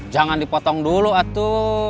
jangan dipotong dulu atu